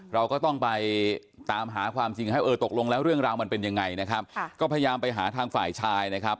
เราก็ต้องไปตามหาความจริงให้เออตกลงแล้วเรื่องราวมันเป็นยังไงนะครับก็พยายามไปหาทางฝ่ายชายนะครับ